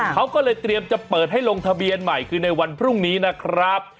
เขาก็เลยเตรียมจะเปิดให้ลงทะเบียนใหม่คือในวันพรุ่งนี้นะครับ